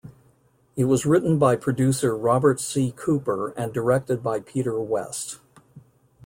It was written by producer Robert C. Cooper and directed by Peter Woeste.